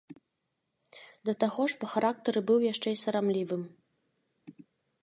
Да таго ж па характары быў яшчэ і сарамлівым.